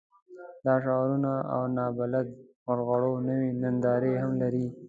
دا د شعارونو او نابلده غرغړو نوې نندارې هم لرلې.